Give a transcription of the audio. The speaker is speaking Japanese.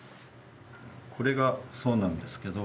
これがそうなんですけど。